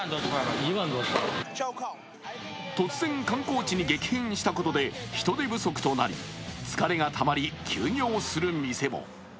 突然、観光地に激変したことで人手不足となり、疲れがたまり休業する店も。